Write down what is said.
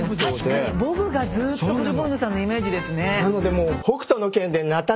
確かにボブがずっとブルボンヌさんのイメージですね。